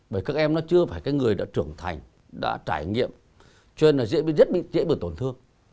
bởi các em nó chưa phải người đã trưởng thành đã trải nghiệm cho nên nó rất dễ bị tổn thương